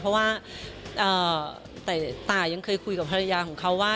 เพราะว่าแต่ตายังเคยคุยกับภรรยาของเขาว่า